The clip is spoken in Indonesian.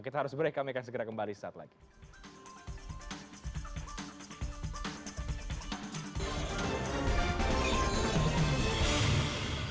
kita harus break kami akan segera kembali setelah ini